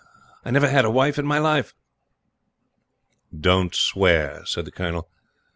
I never had a wife in my life!" "Don't swear," said the Colonel.